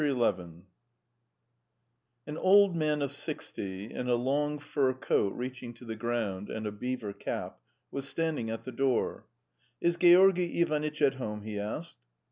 XI[edit] An old man of sixty, in a long fur coat reaching to the ground, and a beaver cap, was standing at the door. "Is Georgy Ivanitch at home?" he asked.